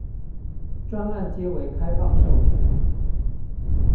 專案皆為開放授權